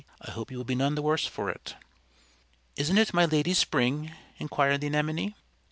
I hope you will be none the worse for it." "Isn't it my Lady Spring?" inquired the Anemone.